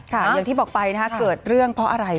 อย่างที่บอกไปนะคะเกิดเรื่องเพราะอะไร